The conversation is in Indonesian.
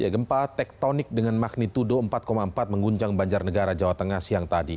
gempa tektonik dengan magnitudo empat empat mengunjang banjarnegara jawa tengah siang tadi